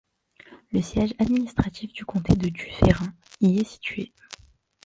Le siège administratif du comté de Dufferin y est situé.